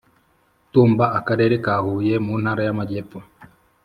Tumba Akarere ka Huye mu Ntara y Amajyepfo